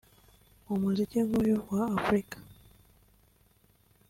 mu muziki nk’uyu wa Afurika